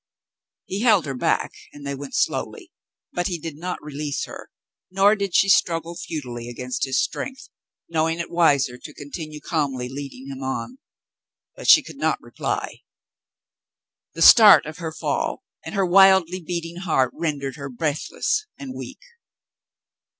He held her back, and they went slowly, but he did not release her, nor did she struggle futilely against his strength, knowing it wiser to continue calmly leading him on ; but she could not reply. The start of her fall and her wildly beating heart rendered her breathless and weak.